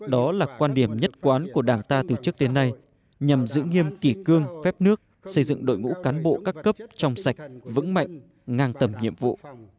đó là quan điểm nhất quán của đảng ta từ trước đến nay nhằm giữ nghiêm kỷ cương phép nước xây dựng đội ngũ cán bộ các cấp trong sạch vững mạnh ngang tầm nhiệm vụ